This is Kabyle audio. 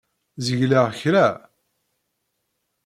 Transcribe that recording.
Zegleɣ kra?